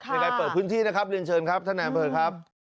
ในการเปิดพื้นที่นะครับเรียนเชิญครับท่านแอมเพอตครับ